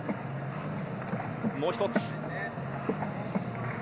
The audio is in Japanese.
もう一つ。